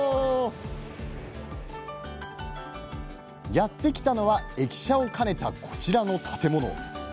やってきたのは駅舎を兼ねたこちらの建物。